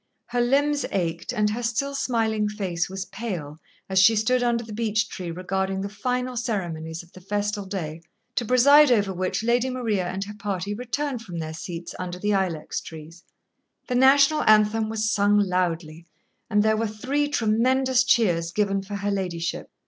Her limbs ached and her still smiling face was pale, as she stood under the beech tree regarding the final ceremonies of the festal day, to preside over which Lady Maria and her party returned from their seats under the ilex trees. The National Anthem was sung loudly, and there were three tremendous cheers given for her ladyship.